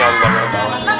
amin ya allah ya allah